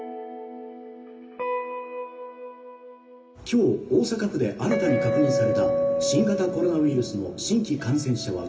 「今日大阪府で新たに確認された新型コロナウイルスの新規感染者は」。